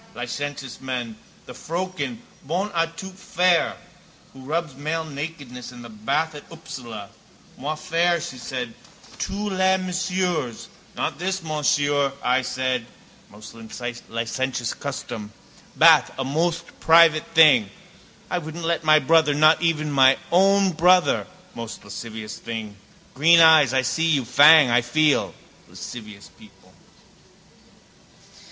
Licentious men. The froeken, bonne à tout faire, who rubs male nakedness in the bath at Upsala. Moi faire, she said, Tous les messieurs. Not this Monsieur, I said. Most licentious custom. Bath a most private thing. I wouldn't let my brother, not even my own brother, most lascivious thing. Green eyes, I see you. Fang, I feel. Lascivious people.